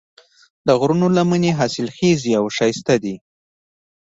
د غرونو لمنې حاصلخیزې او ښایسته دي.